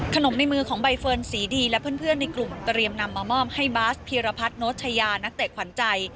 ในมือของใบเฟิร์นสีดีและเพื่อนในกลุ่มเตรียมนำมามอบให้บาสพีรพัฒน์โนชยานักเตะขวัญใจ